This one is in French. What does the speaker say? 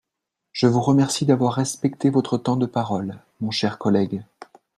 Je vous remercie d’avoir respecté votre temps de parole, mon cher collègue.